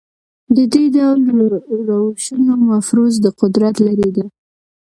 د دې ډول روشونو مفروض د قدرت لړۍ ده.